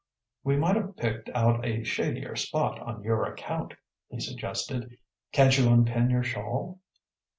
"We might ha' picked out a shadier spot, on your account," he suggested. "Can't you unpin your shawl?"